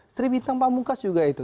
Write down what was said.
sri bintang pamungkas juga itu